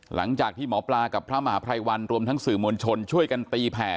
หลังจากที่หมอปลากับพระมหาภัยวันรวมทั้งสื่อมวลชนช่วยกันตีแผ่